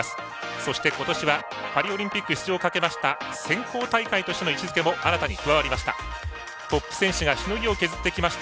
そして今年はパリオリンピック出場かけました選考大会としての位置づけも新たに加わりました。